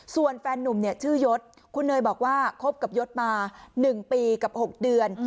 ส่วนแฟนหนุ่มชื่อยศคุณเนยบอกว่าคบกับยศมาหนึ่งปีกับหกเดือน